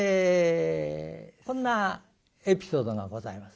こんなエピソードがございます。